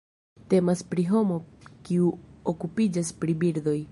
Temas pri homo kiu okupiĝas pri birdoj.